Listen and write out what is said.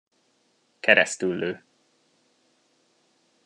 Keresztüllő.